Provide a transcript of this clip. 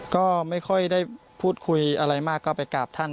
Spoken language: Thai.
ก็ไม่ค่อยได้พูดคุยอะไรมากก็ไปกราบท่าน